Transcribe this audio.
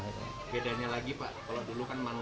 bedanya lagi pak kalau dulu kan manual